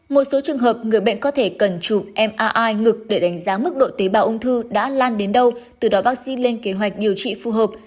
một số trường hợp người bệnh có thể cần chụp mi ngực để đánh giá mức độ tế bào ung thư đã lan đến đâu từ đó vaccine lên kế hoạch điều trị phù hợp